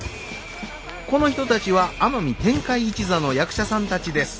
この人たちは天海天海一座の役者さんたちです。